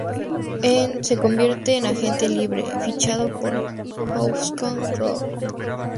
En se convierte en agente libre, fichando por Houston Rockets.